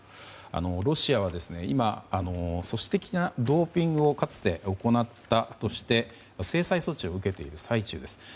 ロシアは今組織的なドーピングをかつて行ったとして制裁措置を受けている最中です。